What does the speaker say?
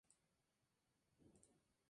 Destaca el poema "Primer amor".